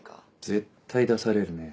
絶対出されるね。